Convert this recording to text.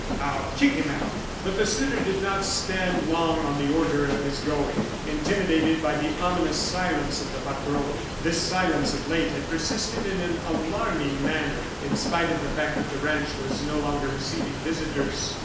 I'll kick him out!" But the suitor did not stand long on the order of his going, intimidated by the ominous silence of the Patron. This silence, of late, had persisted in an alarming manner, in spite of the fact that the ranch was no longer receiving visitors.